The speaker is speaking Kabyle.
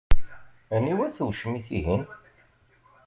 Aniwa-t wucmit-ihin?